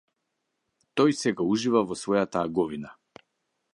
Тој сега ужива во својата аговина.